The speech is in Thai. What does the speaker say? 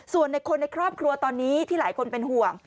ส่วนในคนในครอบครัวตอนนี้ที่หลายคนเป็นห่วง